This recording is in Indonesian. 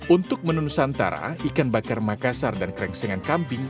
untuk menu nusantara ikan bakar makasar dan krengsengan kambing